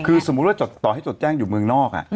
คือสมมุติว่าต่อให้จดแจ้งอยู่เมืองนอก